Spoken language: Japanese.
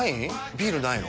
ビールないの？